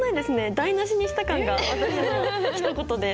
台なしにした感が私のひと言で。